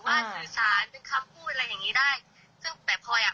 แล้วดันไปพูดเราไปจดถูกไว้เฉยว่า